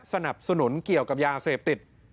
สนับสนุนเกี่ยวกับยาเสพติด